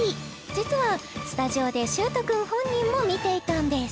実はスタジオでしゅーとくん本人も見ていたんです